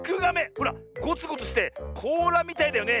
ほらゴツゴツしてこうらみたいだよね？